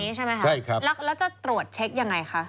แล้วจะตรวจเช็คยังไงคะ